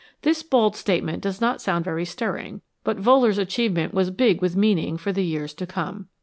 This bald statement does not sound very stirring, but Wohler's achievement was big with meaning for the years to come.